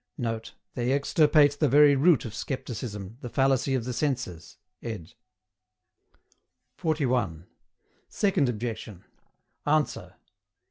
[Note: They extirpate the very root of scepticism, "the fallacy of the senses." Ed.] 41. SECOND OBJECTION. ANSWER.